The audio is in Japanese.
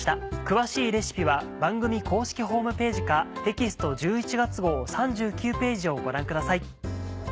詳しいレシピは番組公式ホームページかテキスト１１月号３９ページをご覧ください。